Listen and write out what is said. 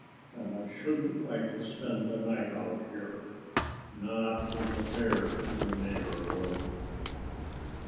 And I shouldn't like to spend the night out here not with a bear in the neighborhood."